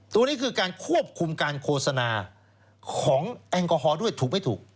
ตัวนี้คือการควบคุมการโฆษณาของแอลกอฮอลด้วยถูกไม่ถูก